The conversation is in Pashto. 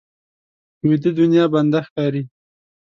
ویده دنیا بنده ښکاري